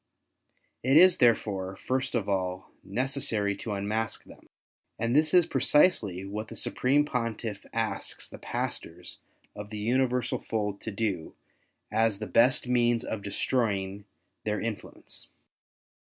It is, therefore, first of all, necessary to unmask them ; and this is precisely what the Supreme Pontiff asks the pastors of the Universal Fold to do as the best means of destroying their in fluence.